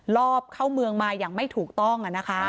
รอบเข้าเมืองมาอย่างไม่ถูกต้อง